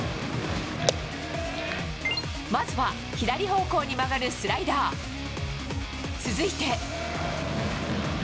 まずは左方向に曲がるスライダー続いて。